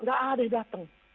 nggak ada yang datang